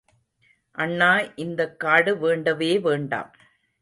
அண்ணா, இந்தக் காடு வேண்டவே வேண்டாம்.